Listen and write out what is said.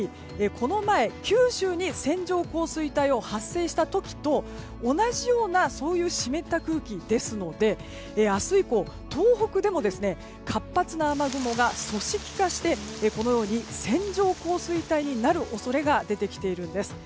この前、九州に線状降水帯を発生させた時と同じような湿った空気ですので明日以降、東北でも活発な雨雲が組織化してこのように線状降水帯になる恐れが出てきているんです。